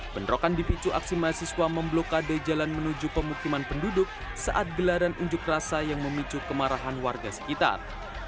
bentrokan dipicu aksi mahasiswa memblokade jalan menuju pemukiman penduduk saat gelaran unjuk rasa yang memicu kemarahan warga sekitar